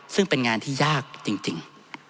ซึ่งเป็นงานที่ยากจริง